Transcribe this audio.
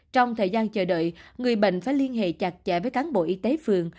trong thời gian chờ đợi người bệnh phải liên hệ chặt chẽ với cán bộ y tế phường